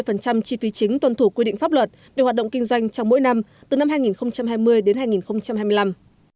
ít nhất hai mươi chi phí chính tuân thủ quy định pháp luật về hoạt động kinh doanh trong mỗi năm từ năm hai nghìn hai mươi hai nghìn hai mươi năm